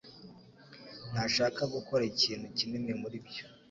ntashaka gukora ikintu kinini muri byo.